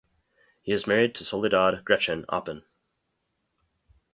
He is married to Soledad "Gretchen" Oppen.